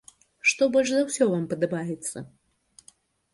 Што больш за ўсё вам падабаецца?